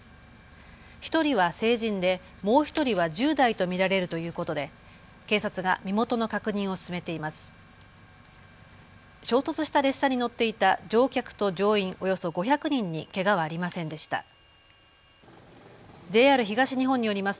１人は成人で、もう１人は１０代と見られるということで警察が身元の確認を進めています。